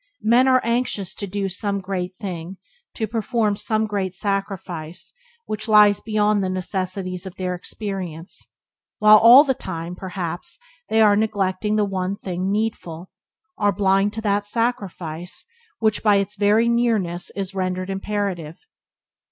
Men are anxious to do some great thing, to perform some great sacrifice which lies beyond the necessities of their experience, while all the time, perhaps, they are neglecting the one thing needful, are blind to that sacrifice which by its very nearness is rendered imperative.